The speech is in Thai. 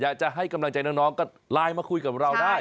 อยากจะให้กำลังใจน้องก็ไลน์มาคุยกับเราได้